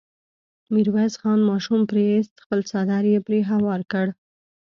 ميرويس خان ماشوم پرې ايست، خپل څادر يې پرې هوار کړ.